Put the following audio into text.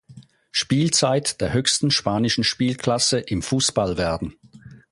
Spielzeit der höchsten spanischen Spielklasse im Fußball werden.